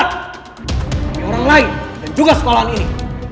dari orang lain dan juga sekolah ini